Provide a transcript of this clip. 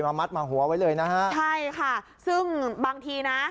มัดมาหัวไว้เลยนะฮะใช่ค่ะซึ่งบางทีนะ